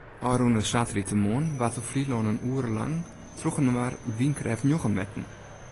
Ofrûne saterdeitemoarn waard op Flylân in oere lang trochinoar wynkrêft njoggen metten.